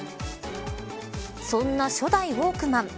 そんな初代ウォークマン。